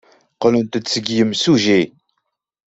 Qqlent-d seg yimsujji.